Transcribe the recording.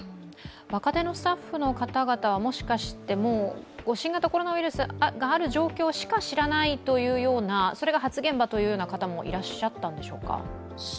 若手のスタッフの方々はもしかして、新型コロナウイルスがある状況しか知らないというようなそれが初現場という方もいらっしゃったんでしょうか？